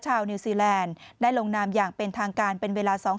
นิวซีแลนด์ได้ลงนามอย่างเป็นทางการเป็นเวลา๒วัน